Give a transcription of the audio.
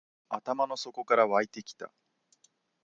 頭の底から湧いてきた